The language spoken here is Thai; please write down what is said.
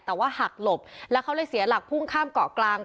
แต่ว่าหักหลบแล้วเขาเลยเสียหลักพุ่งข้ามเกาะกลาง